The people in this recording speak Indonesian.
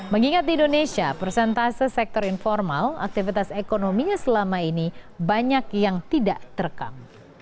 mengingat di indonesia persentase sektor informal aktivitas ekonominya selama ini banyak yang tidak terekam